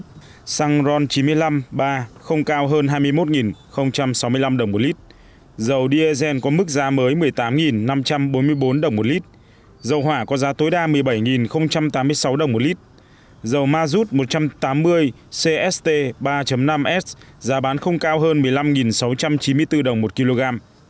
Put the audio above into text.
cụ thể giá xăng e năm ron chín mươi hai giảm xuống còn một mươi chín sáu trăm linh đồng một lít xăng ron chín mươi năm iii không cao hơn hai mươi một sáu mươi năm đồng một lít dầu diesel có mức giá mới một mươi tám năm trăm bốn mươi bốn đồng một lít dầu hỏa có giá tối đa một mươi bảy tám mươi sáu đồng một lít dầu mazut một trăm tám mươi cst ba năm s giá bán không cao hơn một mươi năm sáu trăm chín mươi bốn đồng một kg